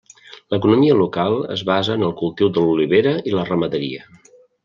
L'economia local es basa en el cultiu de l'olivera i la ramaderia.